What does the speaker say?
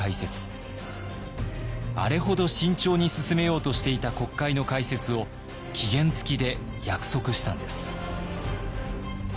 あれほど慎重に進めようとしていた国会の開設を期限付きで約束したんです。